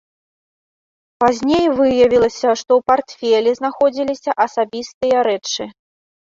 Пазней выявілася, што ў партфелі знаходзіліся асабістыя рэчы.